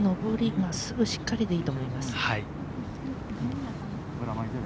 真っすぐしっかりでいいと思います。